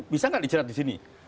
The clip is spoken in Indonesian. bisa nggak dijerat disini